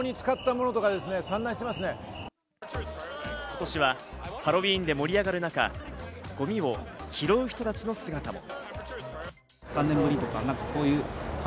今年はハロウィーンで盛り上がる中、ゴミを拾う人たちの姿も。